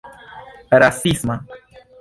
rasisma